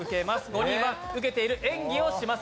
５人は受けている演技をしています。